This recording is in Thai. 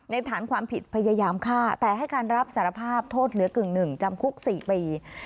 ฐานความผิดพยายามฆ่าแต่ให้การรับสารภาพโทษเหลือกึ่งหนึ่งจำคุก๔ปี